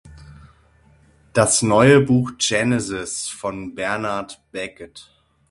Das Neue Buch Genesys von Bernard Beckett.